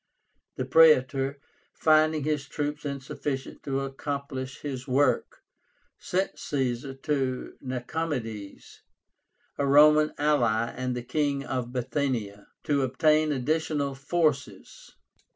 The Praetor, finding his troops insufficient to accomplish his work, sent Caesar to Nicomédes, a Roman ally and the King of Bithynia, to obtain additional forces.